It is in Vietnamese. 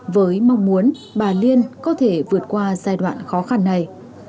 với mong muốn bà liên có thể vượt qua giai đoạn khó khăn này